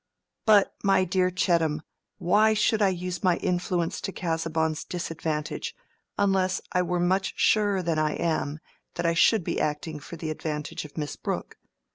"But, my dear Chettam, why should I use my influence to Casaubon's disadvantage, unless I were much surer than I am that I should be acting for the advantage of Miss Brooke?